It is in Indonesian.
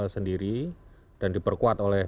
sendiri dan diperkuat oleh